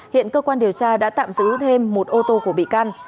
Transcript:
hiện cơ quan điều tra đã tạm giữ thêm một ô tô của bị can